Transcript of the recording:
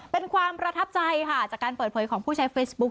เป็นความประทับใจค่ะจากการเปิดเผยของผู้ใช้เฟซบุ๊ค